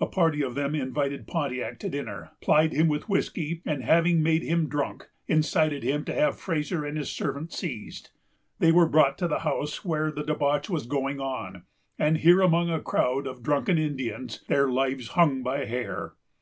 A party of them invited Pontiac to dinner; plied him with whiskey; and, having made him drunk, incited him to have Fraser and his servant seized. They were brought to the house where the debauch was going on; and here, among a crowd of drunken Indians, their lives hung by a hair.